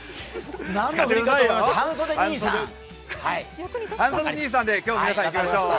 半袖にいさんで今日皆さんいってみましょう。